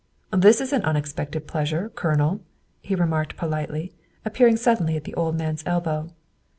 " This is an unexpected pleasure, Colonel," he re marked politely, appearing suddenly at the old man's elbow.